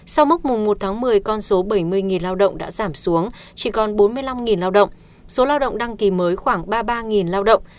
sau mốc mùng một tháng một mươi con số bảy mươi lao động đã giảm xuống chỉ còn bốn mươi năm lao động số lao động đăng ký mới khoảng ba mươi ba lao động